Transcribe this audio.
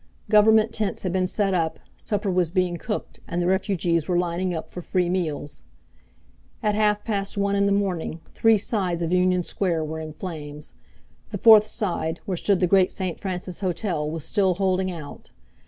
Government tents had been set up, supper was being cooked, and the refugees were lining up for free meals At half past one in the morning three sides of Union Square were in flames. The fourth side, where stood the great St. Francis Hotel was still holding out.